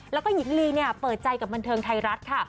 แล้วก็หญิงลีเนี่ยเปิดใจกับบันเทิงไทยรัฐค่ะ